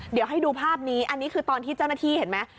เดี๋ยวให้ดูภาพนี้อันนี้คือตอนที่เจ้าหน้าที่เห็นไหม